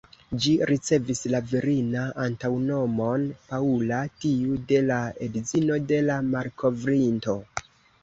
Ĝi ricevis la virina antaŭnomon ""Paula"", tiu de la edzino de la malkovrinto.